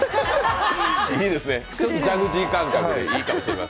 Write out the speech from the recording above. いいですね、ちょっとジャグジー感覚でいいかもしれない。